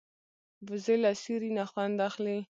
وزې له سیوري نه خوند اخلي